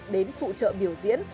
đến phụ trợ biểu diễn